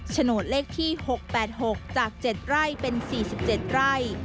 โฉนดเลขที่๖๘๖จาก๗ไร่เป็น๔๗ไร่